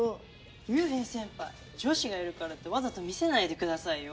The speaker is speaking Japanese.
龍平先輩女子がいるからってわざと見せないでくださいよ！